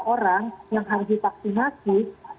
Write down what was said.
orang yang harus dipaksinasi